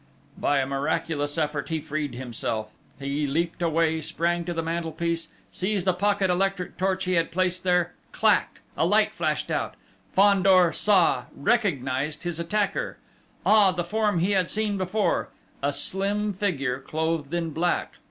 By a miraculous effort he freed himself. He leaped away; sprang to the mantelpiece; seized a pocket electric torch he had placed there clac a light flashed out!... Fandor saw, recognised his attacker!... Ah! The form he had seen before a slim figure, clothed in black!...